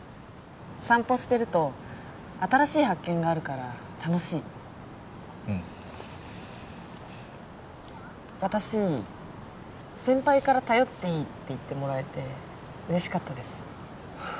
散歩してると新しい発見があるから楽しいうん私先輩から頼っていいって言ってもらえて嬉しかったです